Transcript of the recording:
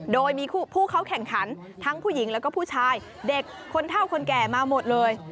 โดยมีผู้เข้าแข่งขันทั้งผู้หญิงแล้วก็ผู้ชายเด็กคนเท่าคนแก่มาหมดเลย